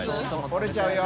折れちゃうよ。